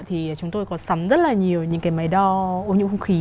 thì chúng tôi có sắm rất là nhiều những cái máy đo ô nhiễm không khí